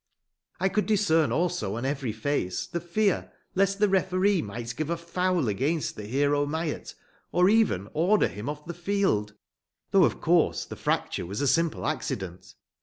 I could discern also on every face the fear lest the referee might give a foul against the hero Myatt, or even order him off the field, though of course the fracture was a simple accident.